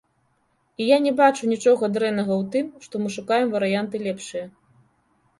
І я не бачу нічога дрэннага ў тым, што мы шукаем варыянты лепшыя.